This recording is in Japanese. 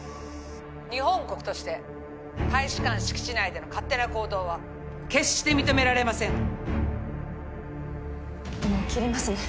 日本国として大使館敷地内での勝手な行動は決して認められませんもう切りますね